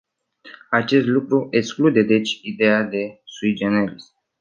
Acest lucru exclude, deci, ideea de sui generis.